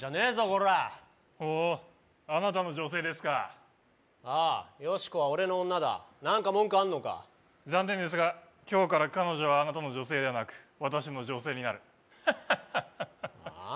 コラッほおあなたの女性ですかああヨシコは俺の女だ何か文句あんのか残念ですが今日から彼女はあなたの女性ではなく私の女性になるハハハハハハッはあ？